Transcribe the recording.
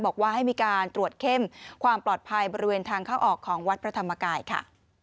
บอกว่าให้มีการตรวจเข้มความปลอดภัยบริเวณทางเข้าออกของวัดพระธรรมกายค่ะ